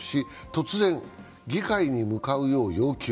突然、議会に向かうよう要求。